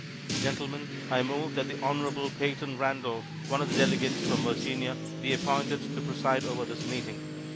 Gentlemen, I move that the Honorable Peyton Randolph, one of the delegates from Virginia, be appointed to preside over this meeting.